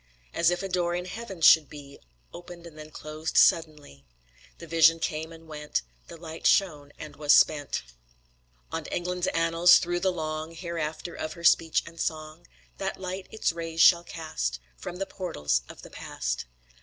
As if a door in heaven should be Opened and then closed suddenly The vision came and went The light shone and was spent On England's annals, through the long Hereafter of her speech and song, That light its rays shall cast From the portals of the past.